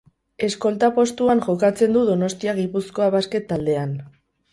Eskolta postuan jokatzen du Donostia Gipuzkoa Basket taldean.